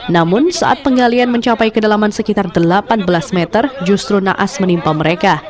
namun saat penggalian mencapai kedalaman sekitar delapan belas meter justru naas menimpa mereka